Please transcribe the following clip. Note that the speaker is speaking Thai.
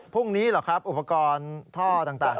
พรุ่งนี้หรอกครับอุปกรณ์ท่อต่าง